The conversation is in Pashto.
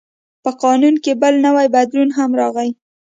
په قانون کې بل نوی بدلون هم راغی.